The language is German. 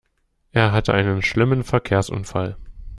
Er hatte einen schlimmen Verkehrsunfall.